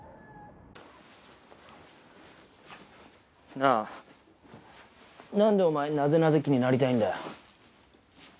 なあなんでお前「なぜなぜ期」になりたいんだよ？